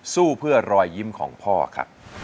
สู้เพื่อรอยยิ้มของพ่อครับ